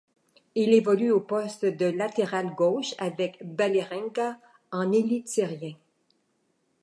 Il évolue au poste de latéral gauche avec Vålerenga en Eliteserien.